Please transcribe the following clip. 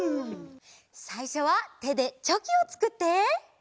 さいしょはてでチョキをつくって！